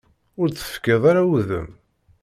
Ur d-tefkiḍ ara udem.